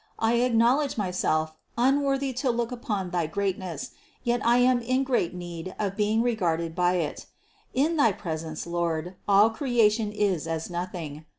I acknowledge myself unworthy to look upon thy greatness, yet I am in great need of being regarded by it. In thy presence, Lord, all creation is as nothing.